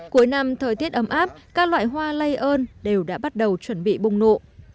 cuối năm thời tiết ấm áp các loại hoa lây ơn đều đã bắt đầu chuẩn bị bùng nộ